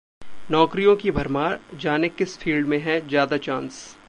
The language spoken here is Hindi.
नौकरियों की भरमार, जानें किस फील्ड में है ज्यादा चांस